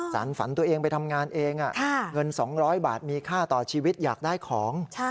สารฝันตัวเองไปทำงานเองเงิน๒๐๐บาทมีค่าต่อชีวิตอยากได้ของ